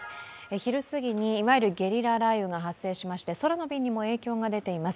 昼すぎにいわゆるゲリラ雷雨が発生しまして空の便にも影響が出ています。